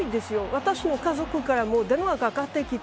私の家族からも電話かかってきた。